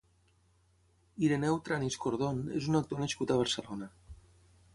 Ireneu Tranis Cordón és un actor nascut a Barcelona.